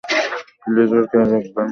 Please ওর খেয়াল রাখবেন।